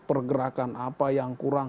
pergerakan apa yang kurang